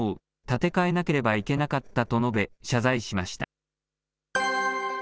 建て替えなければいけなかったと述べ、謝罪しました。